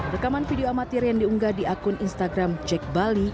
rekaman video amatir yang diunggah di akun instagram jack bali